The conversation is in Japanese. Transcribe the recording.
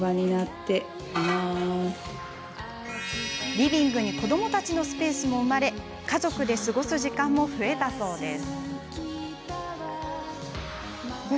リビングに子どもたちのスペースも生まれ家族で過ごす時間も増えたそうです。